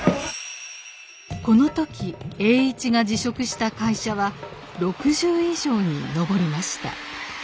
この時栄一が辞職した会社は６０以上に上りました。